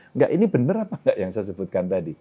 enggak ini benar apa enggak yang saya sebutkan tadi